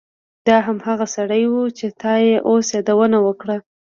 دا هماغه سړی و چې تا یې اوس یادونه وکړه